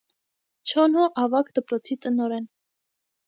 Չոնհո ավագ դպրոցի տնօրեն։